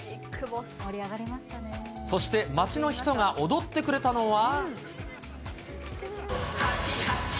そして街の人が踊ってくれたのは。